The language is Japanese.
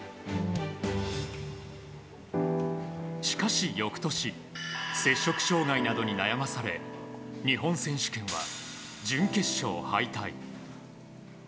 しかし、翌年摂食障害などに悩まされ日本選手権は準決勝敗退。